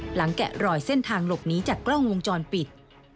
แกะรอยเส้นทางหลบหนีจากกล้องวงจรปิด